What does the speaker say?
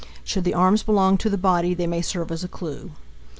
Should the arms belong to the body they may serve as a clue.